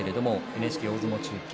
ＮＨＫ大相撲中継